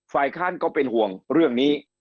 ฝ่ายค้านก็เป็นห่วงเรื่องนี้